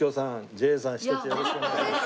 ＪＡさんひとつよろしくお願いします。